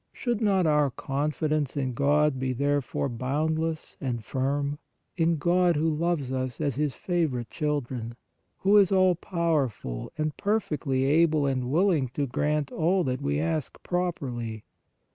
Should not our confidence in God be, therefore, boundless and firm, in God who loves us as His favorite children, who is all powerful and perfectly able and willing to grant all that we ask properly?